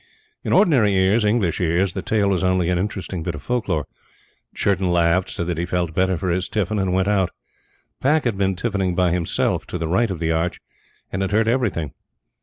In ordinary ears, English ears, the tale was only an interesting bit of folk lore. Churton laughed, said that he felt better for his tiffin, and went out. Pack had been tiffining by himself to the right of the arch, and had heard everything.